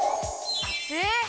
えっ！？